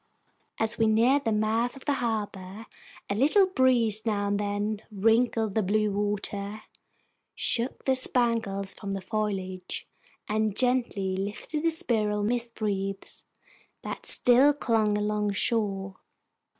As we neared the mouth of the harbor a little breeze now and then wrinkled the blue water, shook the spangles from the foliage, and gently lifted the spiral mist wreaths that still clung along shore.